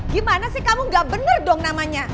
gimana sih kamu gak bener dong namanya